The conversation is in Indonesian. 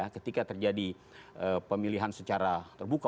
ketika terjadi pemilihan secara terbuka